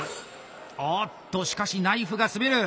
おっとしかしナイフが滑る！